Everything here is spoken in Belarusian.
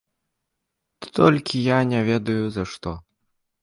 Толькі я не ведаю за што.